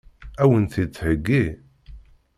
Ad wen-t-id-theggi?